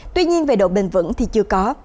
tuy nhiên về độ bền vững thì chưa có